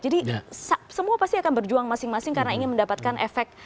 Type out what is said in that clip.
jadi semua pasti akan berjuang masing masing karena ingin mendapatkan efek